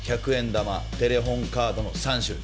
玉テレホンカードの３種類。